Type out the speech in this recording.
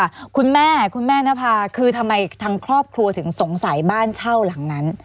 อ่าทีนี้กลับมาค่ะคุณแม่คุณแม่นภาคือทำไมทางครอบครัวถึงสงสัยบ้านเช่าหลังนั้น